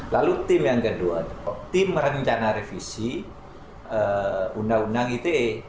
lalu tim yang kedua tim rencana revisi undang undang ite